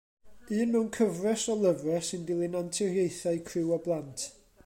Un mewn cyfres o lyfrau sy'n dilyn anturiaethau criw o blant.